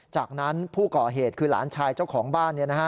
จากนั้นผู้ก่อเหตุคือหลานชายเจ้าของบ้าน